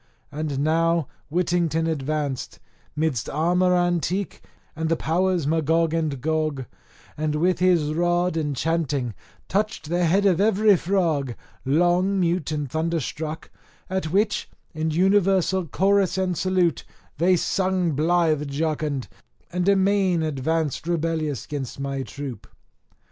And now Whittington advanced, 'midst armour antique and the powers Magog and Gog, and with his rod enchanting touched the head of every frog, long mute and thunderstruck, at which, in universal chorus and salute, they sung blithe jocund, and amain advanced rebellious 'gainst my troop.